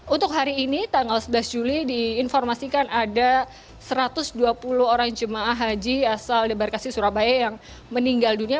untuk hari ini tanggal sebelas juli diinformasikan ada satu ratus dua puluh orang jemaah haji asal debarkasi surabaya yang meninggal dunia